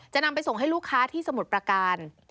นำไปส่งให้ลูกค้าที่สมุทรประการ